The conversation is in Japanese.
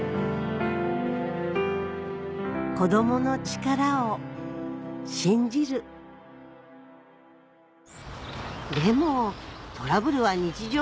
子どもの力を信じるでもトラブルは日常